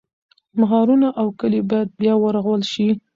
ښارونه او کلي باید بیا ورغول شي.